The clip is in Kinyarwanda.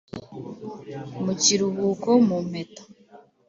mu kiruhuko, mu mpeta;